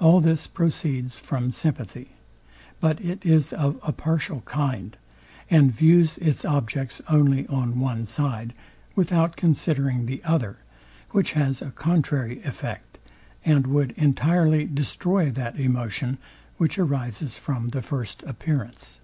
All this proceeds from sympathy; but it is of a partial kind, and views its objects only on one side, without considering the other, which has a contrary effect, and would entirely destroy that emotion, which arises from the first appearance.